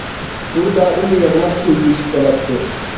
ئۇ دائىم يىغلاپ كۆز يېشى قىلاتتى.